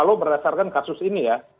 kalau berdasarkan kasus ini ya